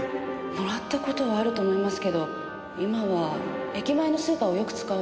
もらった事はあると思いますけど今は駅前のスーパーをよく使うので。